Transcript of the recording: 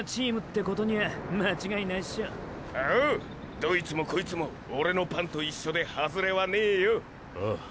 どいつもこいつもオレのパンと一緒でハズレはねえよ。ああ。